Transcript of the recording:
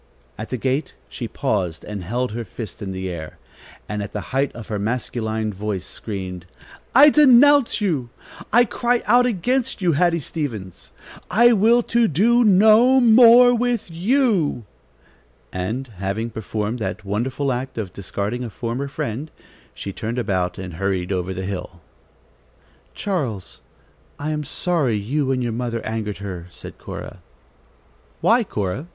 At the gate, she paused and held her fist in the air, and at the height of her masculine voice screamed: "I denounce you! I cry out against you, Hattie Stevens! I will to do no more with you!" and having performed that wonderful act of discarding a former friend, she turned about and hurried over the hill. "Charles, I am sorry you and your mother angered her," said Cora. "Why, Cora?"